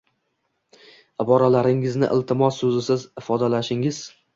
Iboralaringizni “iltimooos” so‘zisiz ifodalashin-giz